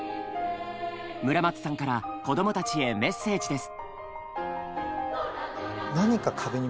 村松さんから子どもたちへメッセージです。